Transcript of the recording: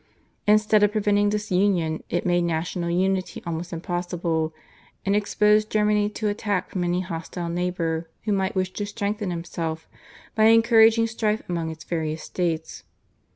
Instead of preventing disunion it made national unity almost impossible, and exposed Germany to attack from any hostile neighbour who might wish to strengthen himself by encouraging strife amongst its various states.